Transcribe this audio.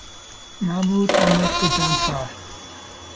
Mahmood Ahmad Ghadanfar.